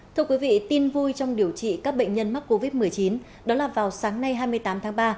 thưa quý vị tin vui trong điều trị các bệnh nhân mắc covid một mươi chín đó là vào sáng nay hai mươi tám tháng ba